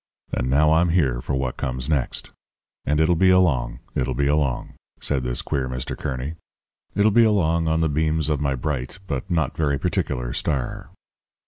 And now I'm here for what comes next. And it'll be along, it'll be along,' said this queer Mr. Kearny; 'it'll be along on the beams of my bright but not very particular star.'